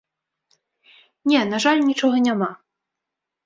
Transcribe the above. Не, на жаль, нічога няма.